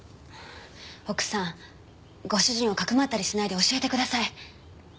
奥さんご主人をかくまったりしないで教えてください。